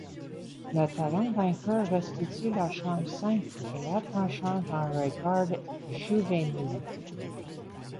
Le talent d'Anker restitue le charme simple et attachant d'un regard juvénile.